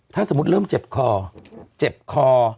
ถ้าสมมติเริ่มเจ็บคอ